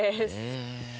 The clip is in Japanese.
え。